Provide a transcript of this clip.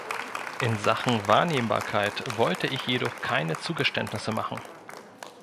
In Sachen Wahrnehmbarkeit wollte ich jedoch keine Zugeständnisse machen.